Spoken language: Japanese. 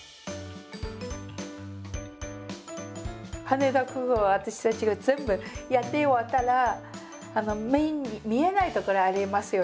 羽田空港は私たちが全部やって終わったら目に見えない所ありますよね